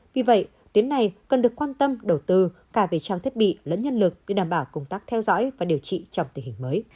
vì vậy tuyến này cần được quan tâm đầu tư cả về trang thiết bị lẫn nhân lực để đảm bảo công tác theo dõi và điều trị trong tình hình mới